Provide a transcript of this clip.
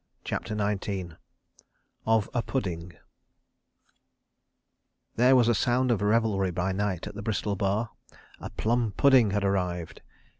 CHAPTER XIX Of a Pudding There was a sound of revelry by night, at the Bristol Bar. A Plum Pudding had arrived.